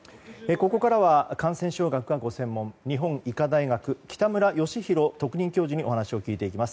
ここからは感染症学がご専門日本医科大学の北村義浩特任教授にお話を伺っていきます。